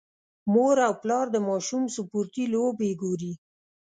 مور او پلار د ماشوم سپورتي لوبې ګوري.